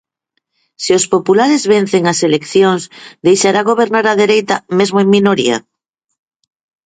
Se os populares vencen as eleccións, deixará gobernar a dereita, mesmo en minoría?